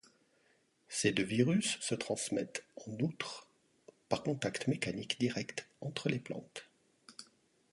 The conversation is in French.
Ces deux virus se transmettent en outre par contact mécanique direct entre les plantes.